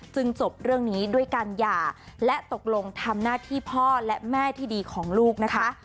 จบเรื่องนี้ด้วยการหย่าและตกลงทำหน้าที่พ่อและแม่ที่ดีของลูกนะคะ